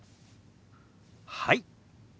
はい。